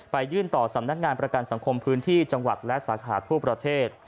ยื่นต่อสำนักงานประกันสังคมพื้นที่จังหวัดและสาขาทั่วประเทศ